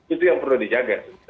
itu yang perlu dijaga